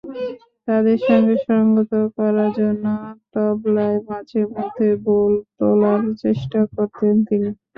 তাঁদের সঙ্গে সংগত করার জন্য তবলায় মাঝেমধ্যে বোল তোলার চেষ্টা করতেন তিনি।